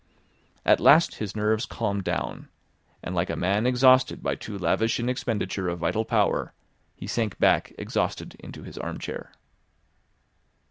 At last his nerves calmed down, and like a man exhausted by too lavish an expenditure of vital power, he sank back exhausted into his armchair.